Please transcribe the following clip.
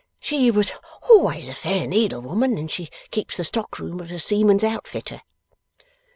'She was always a fair needlewoman, and she keeps the stockroom of a seaman's outfitter.